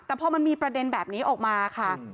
แต่พอมันมีประเด็นแบบนี้ออกมาค่ะ